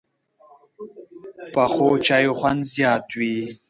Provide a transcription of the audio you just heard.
پخو چایو خوند زیات وي